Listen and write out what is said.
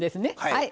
はい。